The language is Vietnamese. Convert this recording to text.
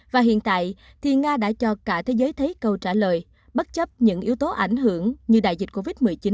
và hiện tại thì nga đã cho cả thế giới thấy câu trả lời bất chấp những yếu tố ảnh hưởng như đại dịch covid một mươi chín